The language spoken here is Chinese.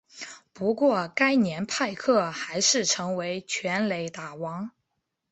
不过该年派克还是成为全垒打王。